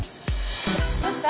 どうした？